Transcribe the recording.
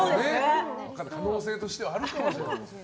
可能性としてはあるかもしれない。